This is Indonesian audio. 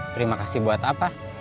terima kasih buat apa